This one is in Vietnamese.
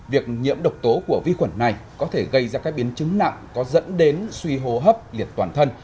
việc nhiễm độc tố của vi khuẩn này có thể gây ra các biến chứng nặng có dẫn đến suy hô hấp liệt toàn thân